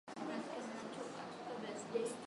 juma liliopita huyu mtu alibwaga manyanga mara baada ya